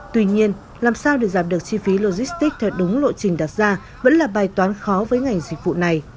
tuy nhiên làm sao để giảm được chi phí logistics theo đúng lộ trình đặt ra vẫn là bài toán khó với ngành dịch vụ này